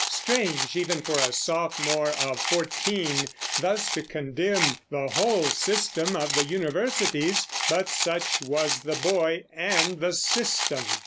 Strange, even for a sophomore of fourteen, thus to condemn the whole system of the universities; but such was the boy, and the system!